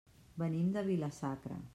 Venim de Vila-sacra.